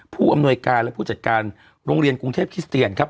ผู้อำนวยการและผู้จัดการโรงเรียนกรุงเทพคริสเตียนครับ